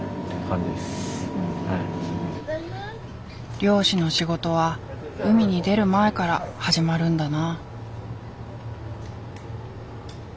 漁師の仕事は海に出る前から始まるんだな。